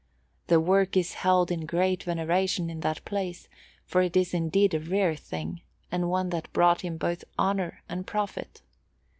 The work is held in great veneration in that place, for it is indeed a rare thing, and one that brought him both honour and profit.